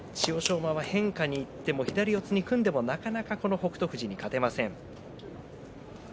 馬は変化にいっても左に組んでも、なかなか北勝富士に勝てません。